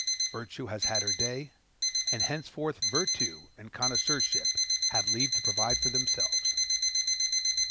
Virtue has had her day; and henceforward, Vertu and Connoisseurship have leave to provide for themselves.